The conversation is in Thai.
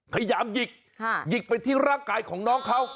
พยายามหยิกหยิกไปที่ร่างกายของน้องเขา